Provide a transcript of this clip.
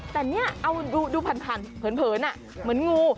แต่เนี่ยดูผ่านเผินอะเหมือนงู